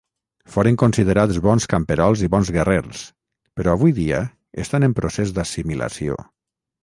Foren considerats bons camperols i bons guerrers, però avui dia estant en procés d'assimilació.